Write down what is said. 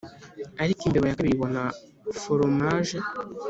ariko imbeba ya kabiri ibona foromaje